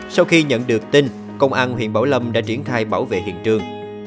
sau khi nhận được tin công an huyện bảo lâm đã triển khai bảo vệ hiện trường